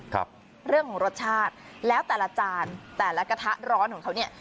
ครับเรื่องของรสชาติแล้วแต่ละจานแต่ละกระทะร้อนของเขาเนี่ย